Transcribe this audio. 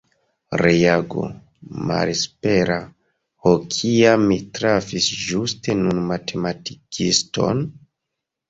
Reago malespera: Ho kial mi trafis ĝuste nun matematikiston?